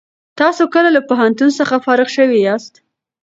تاسو کله له پوهنتون څخه فارغ شوي یاست؟